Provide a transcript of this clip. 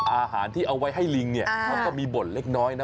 อาหารที่เอาไว้ให้ลิงเนี่ยเขาก็มีบ่นเล็กน้อยนะ